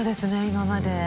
今まで。